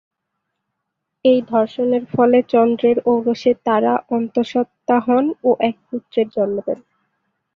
এই ধর্ষণের ফলে চন্দ্রের ঔরসে তারা অন্তঃসত্ত্বা হন ও এক পুত্রের জন্ম দেন।